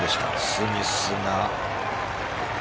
スミスが。